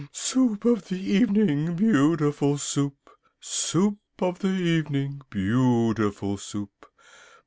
Soup of the evening, beautiful Soup! Soup of the evening, beautiful Soup!